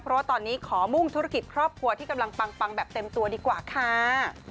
เพราะว่าตอนนี้ขอมุ่งธุรกิจครอบครัวที่กำลังปังแบบเต็มตัวดีกว่าค่ะ